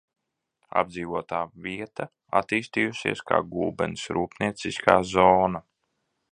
Apdzīvotā vieta attīstījusies kā Gulbenes rūpnieciskā zona.